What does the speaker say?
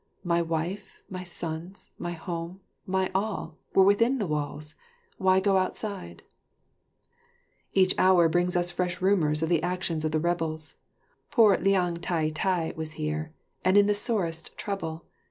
My wife, my sons, my home, my all, were within the walls; why go outside?" [Illustration: Mylady17.] Each hour brings us fresh rumours of the actions of the rebels, Poor Liang Tai tai was here and in the sorest trouble.